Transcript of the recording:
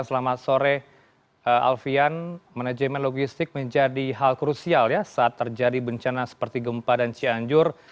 selamat sore alfian manajemen logistik menjadi hal krusial ya saat terjadi bencana seperti gempa dan cianjur